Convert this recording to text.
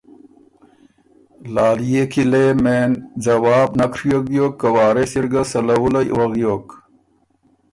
لالئے کی لې مېن ځواب نک ڒیوک بیوک که وارث اِر ګه سَلَوُلّئ وغیوک